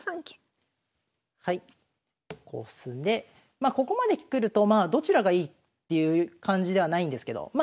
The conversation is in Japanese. まあここまで来るとどちらがいいっていう感じではないんですけどま